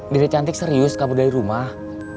dede cantik serius kabur dari rumah